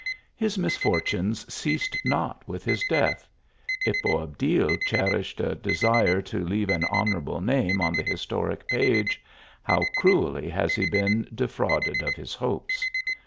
His misfortunes ceased not with his death. If Boabdil cherished a desire to leave an honourable name on the historic pige, how cruelly has he been defrauded of his hopes